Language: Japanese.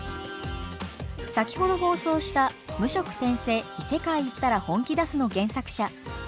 先ほど放送した「無職転生異世界行ったら本気だす」の原作者理